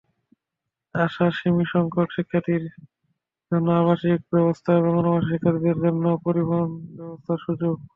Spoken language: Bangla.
আছে সীমিতসংখ্যক শিক্ষার্থীর জন্য আবাসিক ব্যবস্থা এবং অনাবাসিক শিক্ষার্থীদের জন্য পরিবহনব্যবস্থার সুযোগ।